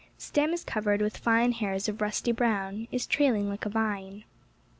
Stem is covered with fine hairs of rusty brown — is trailing like a vine.